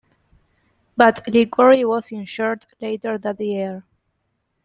But Liquori was injured later that year.